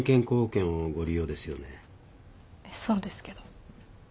そうですけど。